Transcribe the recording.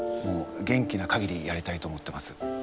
元気なかぎりやりたいと思ってます。